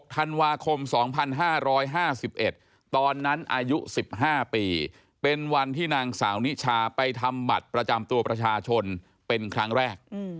ธันวาคม๒๕๕๑ตอนนั้นอายุ๑๕ปีเป็นวันที่นางสาวนิชาไปทำบัตรประจำตัวประชาชนเป็นครั้งแรก